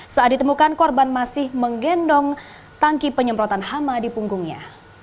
saat ditemukan korban masih menggendong tangki penyemprotan hama di punggungnya